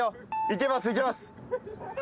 いけますいけます。